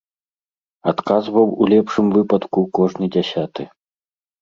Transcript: Адказваў у лепшым выпадку кожны дзясяты.